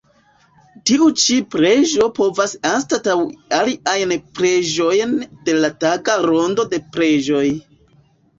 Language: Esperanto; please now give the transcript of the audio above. Tiu ĉi preĝo povas anstataŭi aliajn preĝojn de la taga rondo de preĝoj.